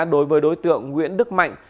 đối với đối tượng nguyễn đức mạnh